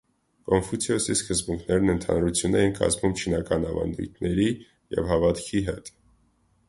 Կոնֆուցիոսի սկզբունքներն ընդհանրություն էին կազմում չինական ավանդույթների և հավատքի հետ։